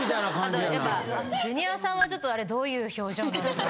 あとやっぱジュニアさんはあれどういう表情なのか。